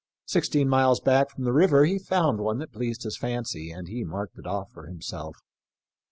Sixteen miles back from the river he found one that pleased his fancy, and he marked it off for himself.